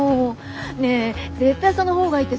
ねぇ絶対その方がいいって。